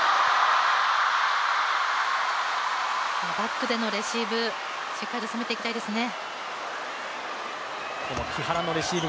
バックでのレシーブしっかりと攻めていきたいですね。